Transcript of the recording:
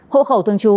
hộ khẩu thường trú